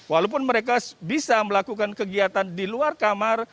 walaupun mereka bisa melakukan kegiatan di luar kamar